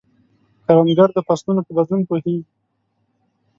کروندګر د فصلونو په بدلون پوهیږي